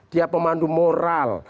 dia pemandu moral